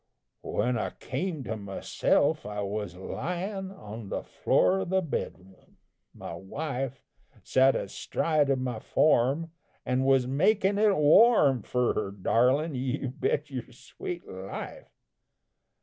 When I came to myself I was lyin' On the floor of the bedroom; my wife Sat astride of my form, and was making it warm Fur her darlin', you bet your sweet life!